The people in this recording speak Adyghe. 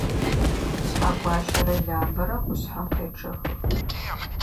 Шъхьэгуащэрэ Лабэрэ къушъхьэм къечъэхых.